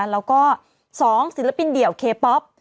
แล้วก็๒ศิลปินเดี่ยวเคป๊อป